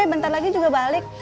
bentar lagi juga balik